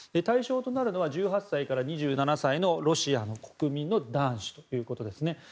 対象となるのは１８歳から２７歳のロシアの国民の男子ということですね。